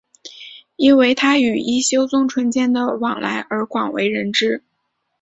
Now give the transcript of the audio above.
因为他与一休宗纯间的往来而广为人知。